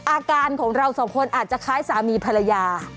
อาการของเราสองคนอาจจะคล้ายสามีภรรยา